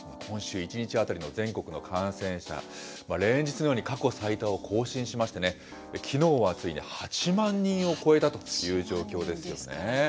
今週１日当たりの全国の感染者、連日のように過去最多を更新しましてね、きのうはついに８万人を超えたという状況ですよね。